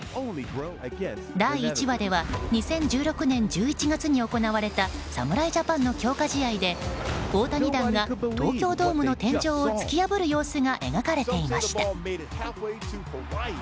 第１話では２０１６年１１月に行われた侍ジャパンの強化試合で大谷弾が東京ドームの天井を突き破る様子が描かれていました。